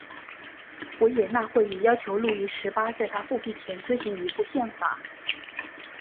维也纳会议要求路易十八在他复辟前推行一部宪法。